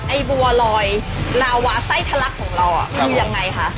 ไอ้บัวลอยลาวาไส้ทะลักของเราคือยังไงคะ